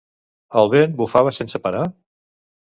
El vent bufava sense parar?